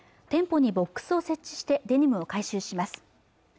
店舗にボックスを設置してデニムを回収します